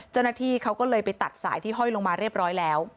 เจ้าหน้าที่เขาก็เลยไปตัดสายที่ห้อยลงมาเรียบร้อยแล้ว